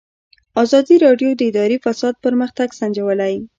ازادي راډیو د اداري فساد پرمختګ سنجولی.